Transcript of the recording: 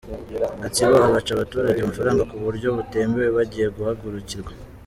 Gatsibo Abaca abaturage amafaranga ku buryo butemewe bagiye guhagurukirwa